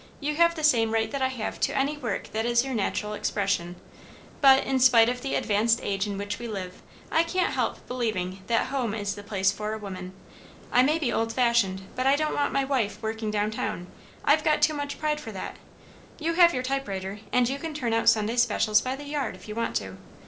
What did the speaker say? You have the same right that I have to any work that is your natural expression, but, in spite of the advanced age in which we live, I can't help believing that home is the place for a woman. I may be old fashioned, but I don't want my wife working down town I've got too much pride for that. You have your typewriter, and you can turn out Sunday specials by the yard, if you want to.